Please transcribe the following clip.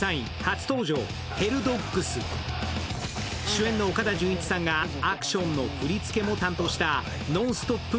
主演の岡田准一さんがアクションの振り付けを担当したノンストップ